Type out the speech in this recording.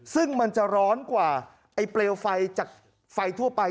ซึ่งมันจะร้อนกว่าไอ้เปลวไฟจากไฟทั่วไป